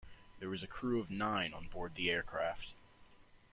There was a crew of nine on board the aircraft.